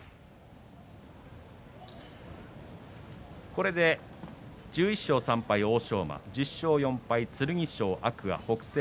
これで１１勝３敗、欧勝馬１０勝４敗剣翔、天空海、北青鵬